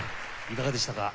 いかがでしたか？